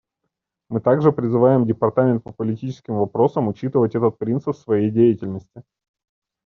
Мы также призываем Департамент по политическим вопросам учитывать этот принцип в своей деятельности.